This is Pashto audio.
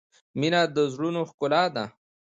• مینه د زړونو ښکلا ده.